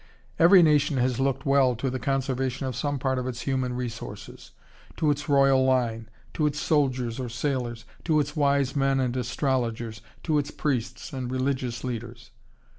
Every nation has looked well to the conservation of some part of its human resources, to its royal line, to its soldiers or sailors, to its wise men and astrologers, to its priests and religious leaders.